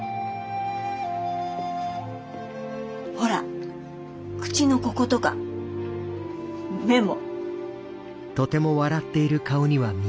ほら口のこことか目も。